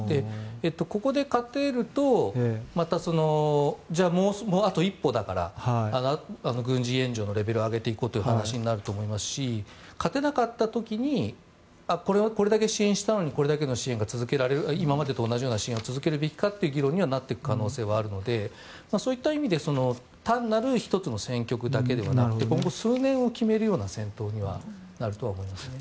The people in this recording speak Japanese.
ここで勝てるとまた、もうあと一歩だから軍事援助のレベルを上げていこうという話になると思いますし勝てなかった時にこれだけ支援したのにこれだけの支援が今までと同じような支援を続けるべきかという議論にはなっていくと思うのでそういった意味で単なる１つの戦局だけではなくて今後数年を決めるような戦闘にはなると思いますね。